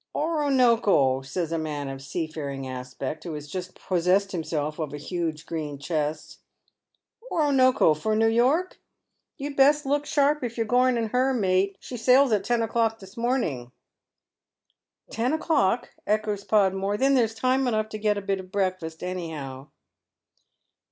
" Oronoko," says a man of seafaring aspect, who has just possessed himself of a huge green chest, " Oronoko for New York ■? You'd best look sharp if you're going in her, mate ; she sails at ten o'clock this morning." " Ten o'clock ?" echoes Podmore, " then there's time enough to get a bit of breakfast, anyhow."